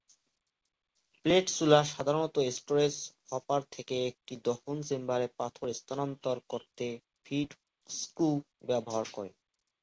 Plate চুলা সাধারণত storage hopper থেকে একটি দহন চেম্বারে পাথর স্থানান্তর করতে ফিড স্ক্রু ব্যবহার করে।